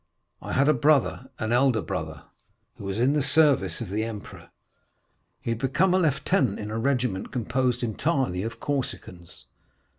I had a brother, an elder brother, who was in the service of the emperor; he had become lieutenant in a regiment composed entirely of Corsicans.